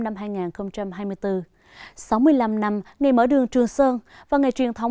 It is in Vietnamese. sáu mươi năm năm ngày mở đường trường sơn